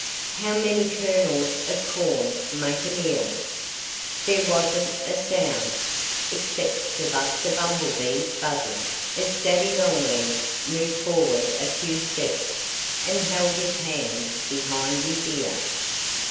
How many kernels of corn make a meal!" There wasn't a sound except for Buster Bumblebee's buzzing as Daddy Longlegs moved forward a few steps and held his hand behind his ear.